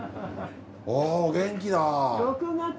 おぉお元気だ。